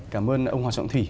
cảm ơn ông hoàng trọng thủy